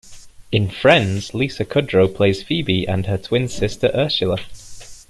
In "Friends", Lisa Kudrow plays Phoebe and her twin sister Ursula.